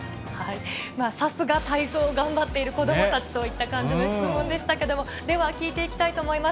さすが体操を頑張っている子どもたちといった感じの質問でしたけれども、では、聞いていきたいと思います。